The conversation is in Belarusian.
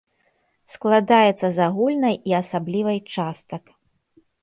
Складаецца з агульнай і асаблівай частак.